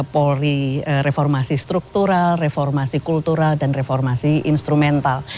polri reformasi struktural reformasi kultural dan reformasi instrumental